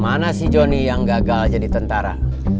mana si johnny yang gagal jadi tentara